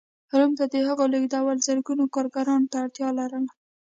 روم ته د هغو رالېږدول زرګونو کارګرانو ته اړتیا لرله.